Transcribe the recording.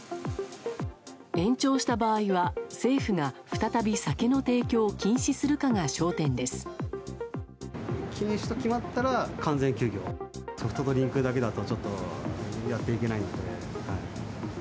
延長した場合は政府が再び酒の提供を禁止するかが焦点です。